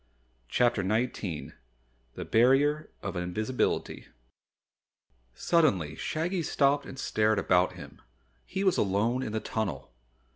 CHAPTER 19 The Barrier of Invisibility Suddenly Shaggy stopped and stared about him. He was alone in the tunnel!